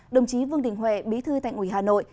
đồng chí vương đình huệ bí thư tại ngủi hà nội